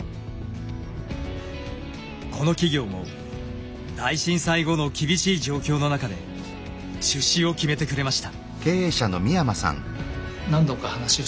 この企業も大震災後の厳しい状況の中で出資を決めてくれました。